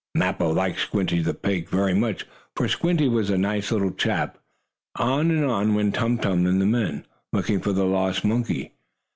Mappo liked Squinty, the pig, very much, for Squinty was a nice little chap. On and on went Tum Tum and the men, looking for the lost monkey.